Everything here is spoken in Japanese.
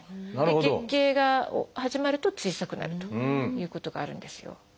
月経が始まると小さくなるということがあるんですよ。